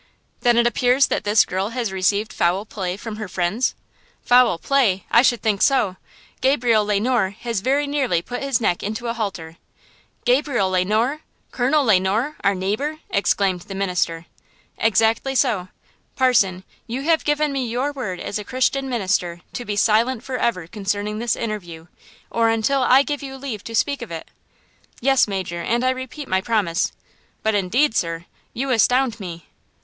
"Then it appears that this girl has received foul play from her friends?" "Foul play! I should think so! Gabriel Le Noir has very nearly put his neck into a halter." "Gabriel Le Noir! Colonel Le Noir, our neighbor!" exclaimed the minister. "Exactly so. Parson, you have given me your word as a Christian minister to be silent forever concerning this interview, or until I give you leave to speak of it." "Yes, major, and I repeat my promise; but, indeed, sir, you astound me!"